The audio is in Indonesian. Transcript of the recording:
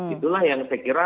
itulah yang saya kira